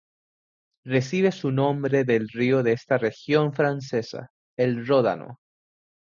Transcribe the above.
Recibe su nombre del río de esta región francesa: el Ródano.